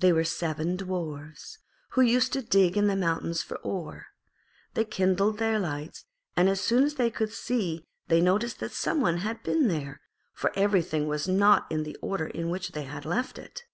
They were seven Dwarfs, who used to dig in the mountains for ore. They kindled their lights, and as soon as they could see they noticed that some one had been there, for everything was not in the order in which they had left it.